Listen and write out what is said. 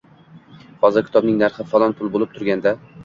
Hozir kitobning narxi falon pul bo‘lib turganda